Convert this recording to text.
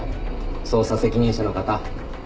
捜査責任者の方。